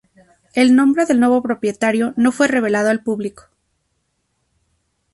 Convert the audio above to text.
El nombre del nuevo propietario no fue revelado al público.